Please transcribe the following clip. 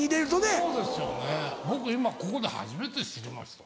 僕今ここで初めて知りました。